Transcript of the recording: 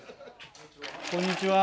こんにちは。